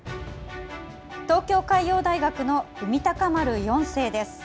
東京海洋大学の「海鷹丸４世」です。